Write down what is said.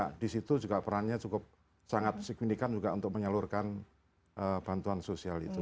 jadi di situ juga perannya cukup sangat signifikan juga untuk menyalurkan bantuan sosial itu